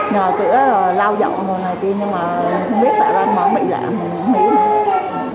nhà tựa lao dọng rồi này kia nhưng mà không biết tại đâu